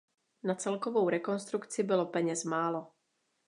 Na celkovou rekonstrukci bylo peněz málo.